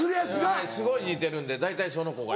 すごい似てるんで大体その子が。